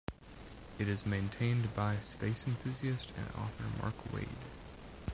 It is maintained by space enthusiast and author Mark Wade.